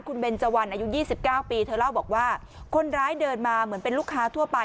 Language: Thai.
คุณเบนเจวันอายุ๒๙ปีเธอเล่าบอกว่าคนร้ายเดินมาเหมือนเป็นลูกค้าทั่วไป